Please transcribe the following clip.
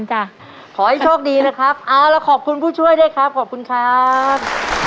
ขอให้โชคดีนะครับเอาละขอบคุณผู้ช่วยด้วยครับขอบคุณครับ